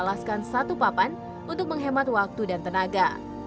menaiki jembatan yang beralaskan satu papan untuk menghemat waktu dan tenaga